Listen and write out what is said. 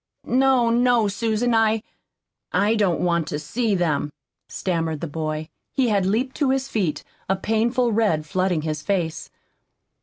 "No, no, Susan, I I don't want to see them," stammered the boy. He had leaped to his feet, a painful red flooding his face.